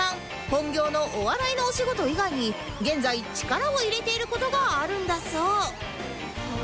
本業のお笑いのお仕事以外に現在力を入れている事があるんだそう